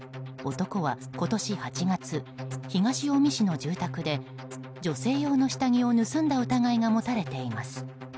男は今年８月東近江市の住宅で女性用の下着を盗んだ疑いが持たれています。